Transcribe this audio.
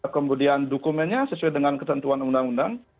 kemudian dokumennya sesuai dengan ketentuan undang undang